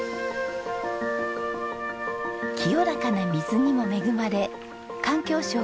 清らかな水にも恵まれ環境省